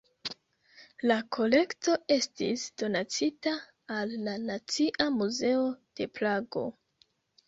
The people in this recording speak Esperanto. La kolekto estis donacita al la Nacia Muzeo de Prago.